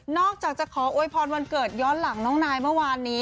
อกจากจะขออวยพรวันเกิดย้อนหลังน้องนายเมื่อวานนี้